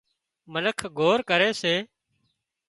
منک گوۯ ڪري سي